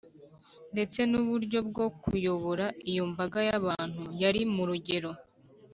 ndetse n’uburyo bwo kuyobora iyo mbaga y’abantu yari mu rugendo,